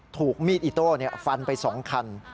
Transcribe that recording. ถูกมีดอิโต้ฟันไป๒คัน